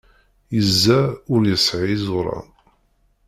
Yeẓẓa ur yesɛi iẓuran.